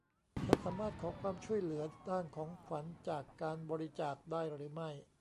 ฉันสามารถขอความช่วยเหลือด้านของขวัญจากการบริจาคได้หรือไม่